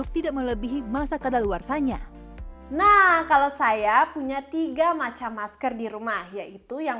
tidak melebihi masa kadaluarsanya nah kalau saya punya tiga macam masker di rumah yaitu yang